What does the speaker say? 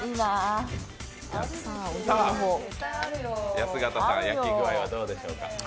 安形さん、焼き具合はどうでしょうか。